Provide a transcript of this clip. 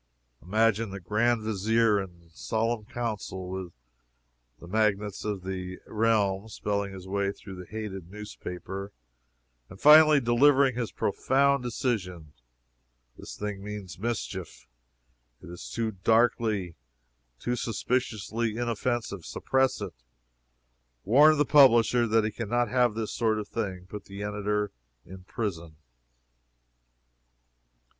Imagine the Grand Vizier in solemn council with the magnates of the realm, spelling his way through the hated newspaper, and finally delivering his profound decision: "This thing means mischief it is too darkly, too suspiciously inoffensive suppress it! Warn the publisher that we can not have this sort of thing: put the editor in prison!"